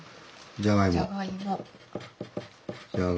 じゃがいも。